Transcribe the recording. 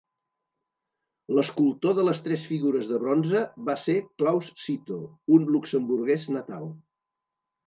L'escultor de les tres figures de bronze va ser Claus Cito, un luxemburguès natal.